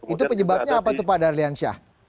itu penyebabnya apa itu pak dalyansya